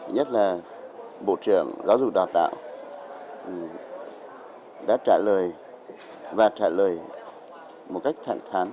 nhất là bộ trưởng giáo dục đào tạo đã trả lời và trả lời một cách thẳng thán